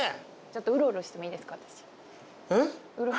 うろうろしてもいいですか？